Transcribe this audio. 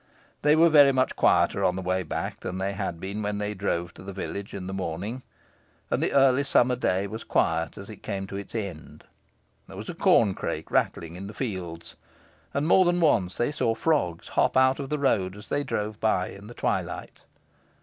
They were very much quieter on the way back than they had been when they drove to the village in the morning. And the early summer day was quiet as it came to its end. There was a corncrake rattling in the fields, and more than once they saw frogs hop out of the road as they drove by in the twilight.